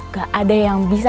gak ada yang bisa